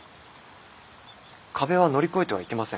壁は乗り越えてはいけません。